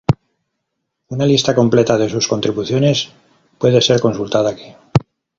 Una lista completa de sus contribuciones puede ser consultada aquí.